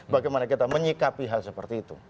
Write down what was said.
bagaimana kita menyikapi hal seperti itu